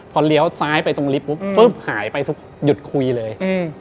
พอเลี้ยวซ้ายไปตรงลิฟต์ปุ๊บหายไปหยุดคุยเลย